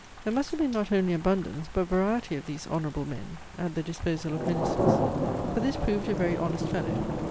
There must have been not only abundance, but variety of these "honourable men" at the disposal of Ministers: for this proved a very honest fellow.